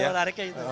iya menariknya itu